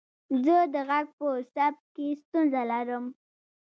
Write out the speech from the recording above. زه د غږ په ثبت کې ستونزه لرم.